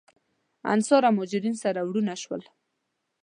انصار او مهاجرین سره وروڼه شول.